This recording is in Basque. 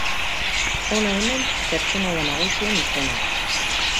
Hona hemen pertsonaia nagusien izenak.